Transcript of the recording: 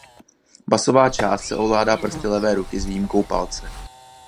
Basová část sa ovládá prsty levé ruky s výjimkou palce.